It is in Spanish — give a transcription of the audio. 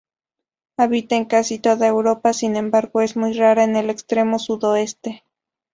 Habita en casi toda Europa, sin embargo es muy rara en el extremo sudoeste.